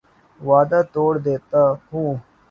وعدے توڑ دیتا ہوں